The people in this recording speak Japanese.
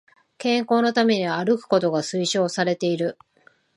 健康のために歩くことが推奨されている